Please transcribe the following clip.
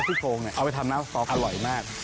ซี่โครงเอาไปทำน้ำสต๊อคอร่อยมาก